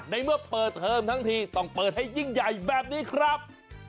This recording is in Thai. ในเมื่อเปิดเทอมทั้งทีต้องเปิดให้ยิ่งใหญ่แบบนี้ครับ